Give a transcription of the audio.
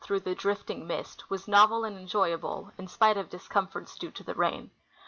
through the driftiiTrg mist, was novel and enjoyable in spite of discomforts due to the rain.